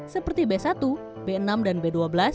seperti b satu b enam dan b dua belas